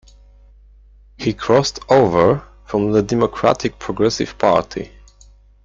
He crossed over from the Democratic Progressive Party.